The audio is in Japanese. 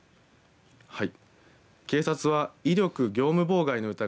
はい。